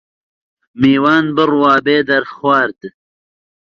میوان بڕوا بێ دەرخوارد